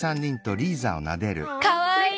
かわいい！